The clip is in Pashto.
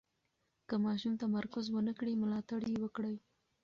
که ماشوم تمرکز ونه کړي، ملاتړ یې وکړئ.